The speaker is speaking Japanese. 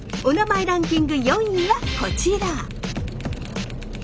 「おなまえランキング」４位はこちら！